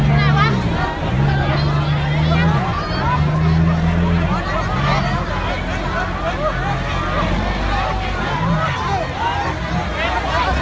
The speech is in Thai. ก็ไม่มีเวลาให้กลับมาเท่าไหร่